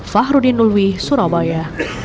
fahrudin nulwi surabaya